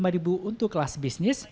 rp dua puluh lima untuk kelas bisnis